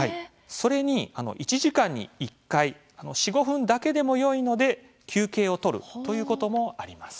それに、１時間に１回４、５分だけでもよいので休憩を取るということもあります。